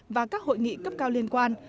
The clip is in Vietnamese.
và các hội nghị cấp cao liên quan